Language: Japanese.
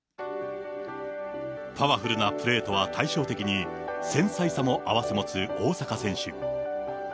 パワフルなプレーとは対照的に、繊細さも併せ持つ大坂選手。